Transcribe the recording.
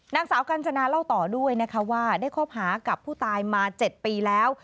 หนังสาวกันจณะเล่าต่อด้วยว่าได้คบหากับผู้ตายมาเจ็ดปีแล้ว